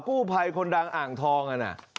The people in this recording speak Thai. กู้ไพคนดังอ่างทองน่ะ